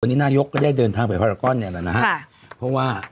วันนี้นายกจะได้เดินทางไปที่พาลาก็อนน์เนี่ยนะฮะ